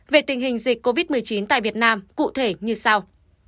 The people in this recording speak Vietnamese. về tình hình dịch covid một mươi chín tại việt nam cụ thể như sau